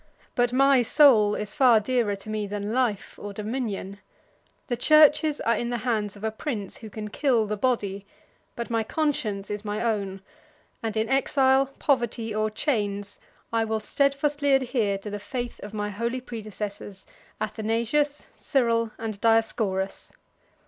But my soul is far dearer to me than life or dominion. The churches are in the hands of a prince who can kill the body; but my conscience is my own; and in exile, poverty, or chains, I will steadfastly adhere to the faith of my holy predecessors, Athanasius, Cyril, and Dioscorus.